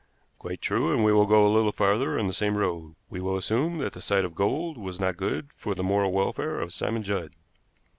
"Quite true, and we will go a little farther on the same road. We will assume that the sight of gold was not good for the moral welfare of Simon Judd.